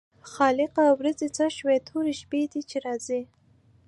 خالقه ورځې څه شوې تورې شپې دي چې راځي.